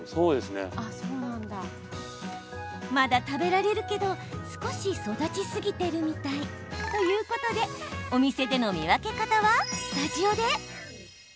まだ食べられるけど少し育ちすぎてるみたい。ということでお店での見分け方はスタジオで。